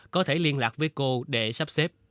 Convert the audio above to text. có thể liên lạc với cô để sắp xếp